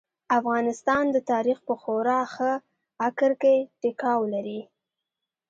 افغانستان د تاريخ په خورا ښه اکر کې ټيکاو لري.